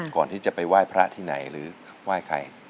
ก่อนที่จะไปไหว้พระที่ไหนหรือไหว้ใคร